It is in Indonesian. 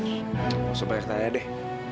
nggak usah banyak tanya deh